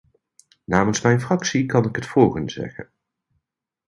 Namens mijn fractie kan ik het volgende zeggen.